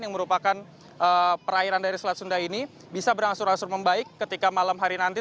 yang merupakan perairan dari selat sunda ini bisa berangsur angsur membaik ketika malam hari nanti